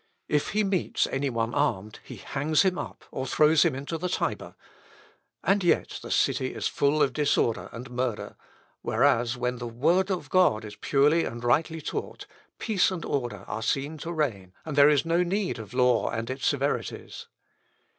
If he meets any one armed he hangs him up, or throws him into the Tiber; and yet the city is full of disorder and murder, whereas, when the word of God is purely and rightly taught, peace and order are seen to reign, and there is no need of law and its severities."